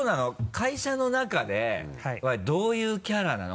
会社の中ではどういうキャラなの？